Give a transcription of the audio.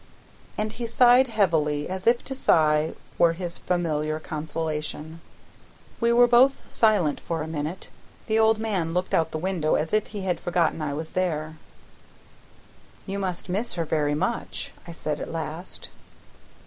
And he sighed heavily, as if to sigh were his familiar consolation. We were both silent for a minute; the old man looked out the window, as if he had forgotten I was there. "You must miss her very much?" I said at last.